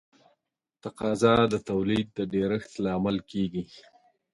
تقاضا د تولید د ډېرښت لامل کیږي.